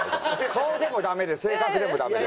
顔でもダメで性格でもダメで。